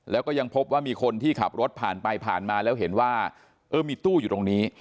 แล้วก็ยังพบว่ามีคนที่ขับรถผ่านไปผ่านมาแล้วเห็นว่าเออมีตู้อยู่ตรงนี้